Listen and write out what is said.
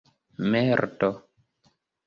merdo